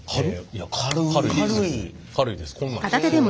軽いですこんなんです。